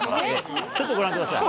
ちょっとご覧ください。